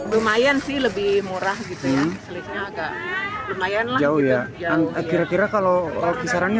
lumayan sih lebih murah gitu ya selesai agak lumayanlah jauh ya kira kira kalau kisarannya